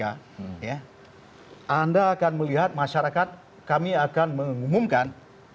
anda akan melihat masyarakat kami akan mengumumkan